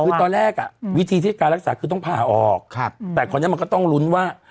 คือตอนแรกอ่ะวิธีที่การรักษาคือต้องผ่าออกแต่คราวนี้มันก็ต้องลุ้นว่า